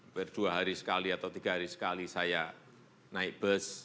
berdua hari sekali atau tiga hari sekali saya naik bus